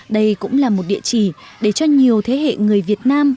đây cũng là một địa chỉ để cho nhiều thế hệ người việt nam